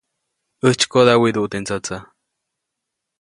ʼÄjtsykoda widuʼu teʼ ndsätsä.